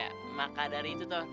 ya maka dari itu tuh